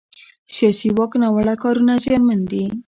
د سیاسي واک ناوړه کارونه زیانمن دي